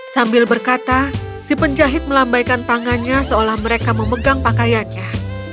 sambil berkata si penjahit melambaikan tangannya seolah mereka memegang pakaiannya